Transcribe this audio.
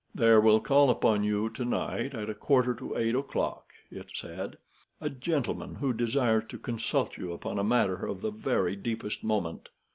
"There will call upon you to night, at a quarter to eight o'clock," it said, "a gentleman who desires to consult you upon a matter of the very deepest moment.